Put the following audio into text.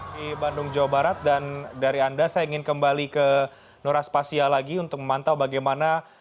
di bandung jawa barat dan dari anda saya ingin kembali ke nuraspasia lagi untuk memantau bagaimana